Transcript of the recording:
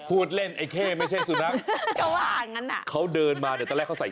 พูดเล่นไอ้เข้ไม่ใช่สุนัขเขาว่าอย่างงั้นอ่ะเขาเดินมาเนี่ยตอนแรกเขาใส่